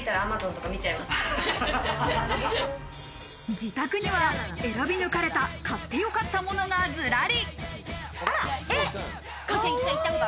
自宅には選び抜かれた買ってよかったモノがずらり。